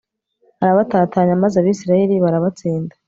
arabatatanya maze abayisraheli barabatsinda